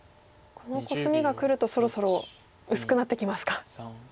このコスミがくるとそろそろ薄くなってきますか。